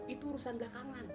itu urusan gak kangen